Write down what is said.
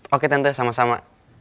oke tante sama sama